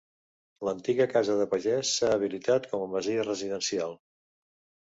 L'antiga casa de pagès s'ha habilitat com a masia residencial.